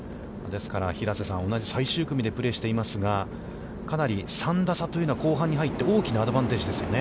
ですから、平瀬さん、同じ最終組でプレーしていますが、かなり３打差というのは、後半に入って、大きなアドバンテージですよね。